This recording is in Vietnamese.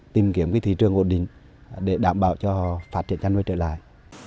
tìm kiếm thị trường ổn định để đảm bảo cho phát triển chăn nuôi trở lại